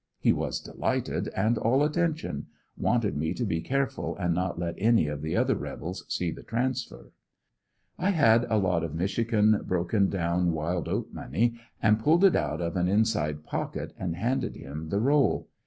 He was delighted and all attention, wanted me to be careful and not let any of the other rebels see the transfer. I had a lot of Michigan broken down wild eat money, and pulled it out of an inside pocket aud handed him the roll.